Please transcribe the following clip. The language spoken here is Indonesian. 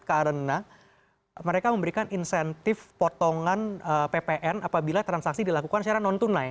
karena mereka memberikan insentif potongan ppn apabila transaksi dilakukan secara non tunai